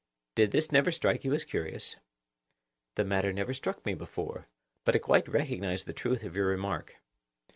Did this never strike you as curious? The matter never struck me before; but I quite recognise the truth of your remark.